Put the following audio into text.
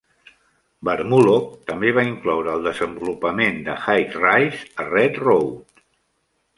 Barmulloch també va incloure el desenvolupament de High rise a Red Road.